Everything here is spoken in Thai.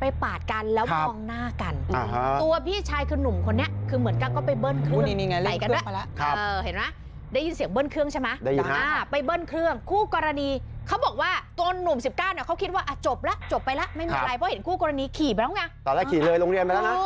ไปแล้วไม่เป็นไรเพราะเห็นขู้กรณีขี่ไปแล้วเนี่ยหรอครับแหละขี่เลยโรงเรียนไปแล้วนะ